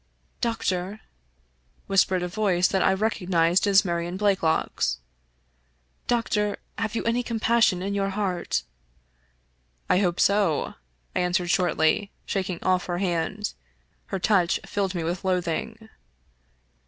" Doctor," whispered a voice that I recognized as Marion Blakelock's, "Doctor, have you any compassion in your heart?" " I hope so," I answered shortly, shaking off her hand ; her touch filled me with loathing.